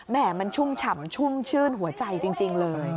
มันชุ่มฉ่ำชุ่มชื่นหัวใจจริงเลย